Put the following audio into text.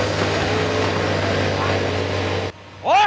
おい！